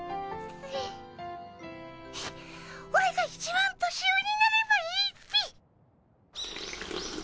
オラが一番年上になればいいっピ！